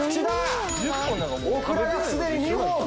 オクラがすでに２本。